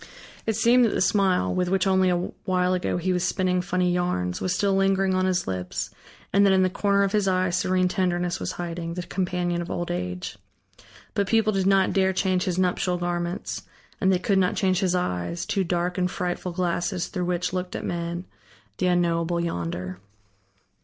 It seemed that the smile, with which only a while ago he was spinning funny yarns, was still lingering on his lips, and that in the corner of his eye serene tenderness was hiding, the companion of old age. But people did not dare change his nuptial garments, and they could not change his eyes, two dark and frightful glasses through which looked at men, the unknowable Yonder.